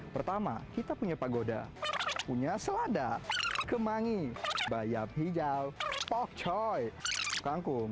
pertama kita punya pagoda punya selada kemangi bayam hijau pokcoy kangkung